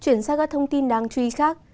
chuyển sang các thông tin đáng chú ý khác